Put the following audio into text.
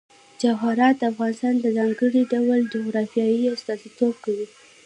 جواهرات د افغانستان د ځانګړي ډول جغرافیه استازیتوب کوي.